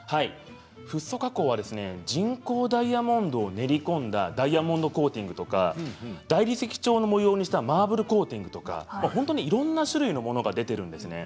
フッ素加工は人工ダイヤモンドを練り込んだダイヤモンドコートや大理石調の模様にしたマーブルコーティングとかいろんなものが出ています。